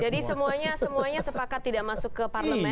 jadi semuanya sepakat tidak masuk ke parlemen